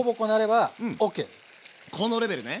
このレベルね。